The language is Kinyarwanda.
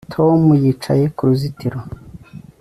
Tom yicaye ku ruzitiro